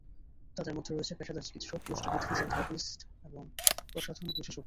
তাদের মধ্যে রয়েছে পেশাদার চকিৎিসক, পুষ্টিবিদ, ফিজিও থেরাপিস্ট এবং প্রসাধন বিশেষজ্ঞ।